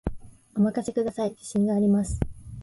お任せください、自信があります